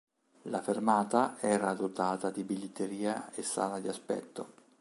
La fermata era dotata di biglietteria e sala di aspetto.